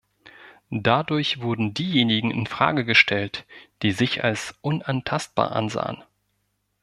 Dadurch wurden diejenigen in Frage gestellt, die sich als unantastbar ansahen.